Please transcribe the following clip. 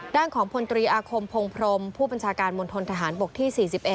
ด้านของพลตรีอาคมพงพรมผู้บัญชาการมณฑนทหารบกที่๔๑